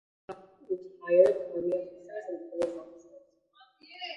Most employee retired Army officers and Police officers.